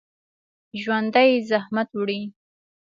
ژوندي زحمت وړي